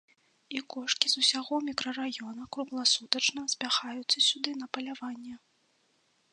І кошкі з усяго мікрараёна кругласутачна збягаюцца сюды на паляванне.